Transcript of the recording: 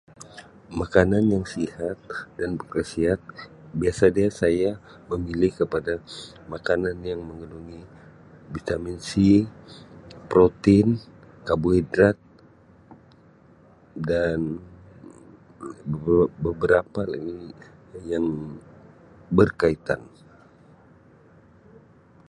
Makanan yang sihat dan berkhasiat biasa dia saya memilih kepada makanan yang mengandungi vitamin c, protein, karbohidrat dan Um beberapa lagi ni yang berkaitan.